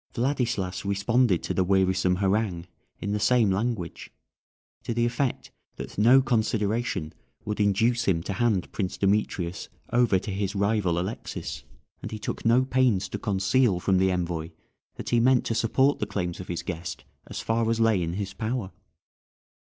Vladislas responded to the wearisome harangue in the same language, to the effect that no consideration would induce him to hand Prince Demetrius over to his rival Alexis, and he took no pains to conceal from the envoy that he meant to support the claims of his guest as far as lay in his power.